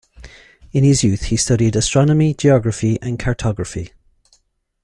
In his youth he studied astronomy, geography and cartography.